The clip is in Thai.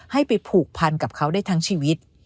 ให้ไปผูกพันกับเขาได้ทั้งชีวิต